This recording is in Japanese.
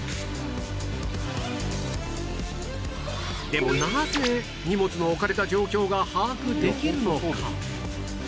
でもなぜ荷物の置かれた状況が把握できるのか？